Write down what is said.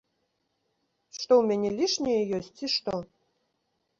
Што, у мяне лішняе ёсць, ці што?